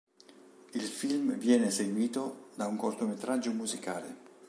Il film viene seguito da un cortometraggio musicale.